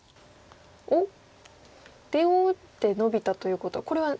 おっ出を打ってノビたということはこれは。